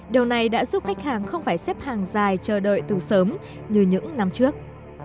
điều này đã giúp khách hàng không phải xếp hàng dài chờ đợi từ sớm như những năm trước